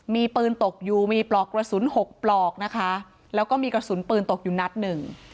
มีปืนตกอยู่มีปลอกกระสุนหกปลอกนะคะแล้วก็มีกระสุนปืนตกอยู่นัดหนึ่ง